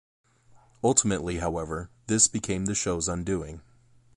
Ultimately, however, this became the show's undoing.